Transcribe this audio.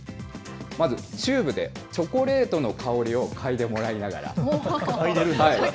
まず、チューブでチョコレートの香りを嗅いでもらいながら。